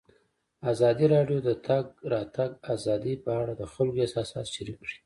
ازادي راډیو د د تګ راتګ ازادي په اړه د خلکو احساسات شریک کړي.